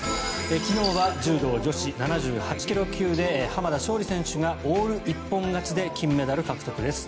昨日は柔道女子７８ｋｇ級で濱田尚里選手がオール一本勝ちで金メダル獲得です。